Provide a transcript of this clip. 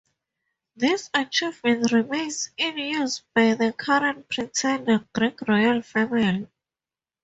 This achievement remains in use by the current pretender Greek Royal Family.